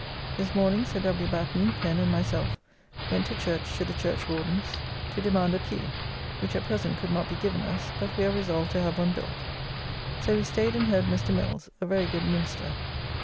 This morning Sir W. Batten, Pen, and myself, went to church to the churchwardens, to demand a pew, which at present could not be given us, but we are resolved to have one built. So we staid and heard Mr. Mills;' a very, good minister.